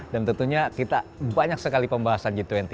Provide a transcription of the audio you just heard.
dan tentunya kita banyak sekali pembahasan g dua puluh